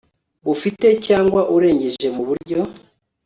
b ufite cyangwa urengeje mu buryo